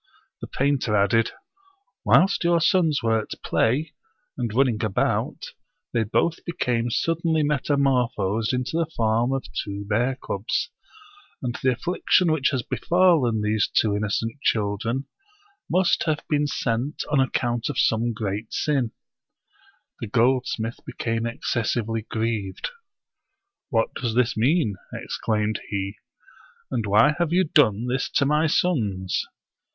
The painter added, " Whilst your sons were at play, and running about, they both be came . suddenly metamorphosed into the form of two bear cubs; and the affliction which has befallen these two in nocent children must have been sent on account of some 24 The Dishonest Goldsmith and the Ingenums Painter great sin." The goldsmith became excessively grieved. " What does this mean ?" exclaimed he ;" and why have you done this to my sons?"